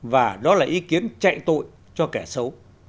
và đó là ý kiến chạy tội cho kẻ xấu